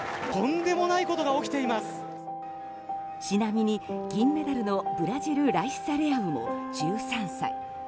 ちなみに銀メダルのブラジルライッサ・レアウも１３歳。